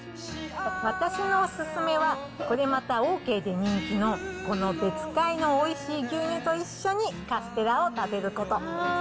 私のお勧めは、これまた、オーケーで人気の、この別海のおいしい牛乳と一緒にカステラを食べること。